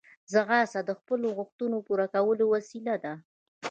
ځغاسته د خپلو غوښتنو پوره کولو وسیله ده